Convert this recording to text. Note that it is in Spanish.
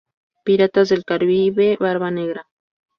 Piratas del Caribe: Barba Negra.